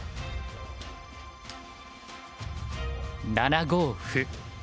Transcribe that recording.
７五歩。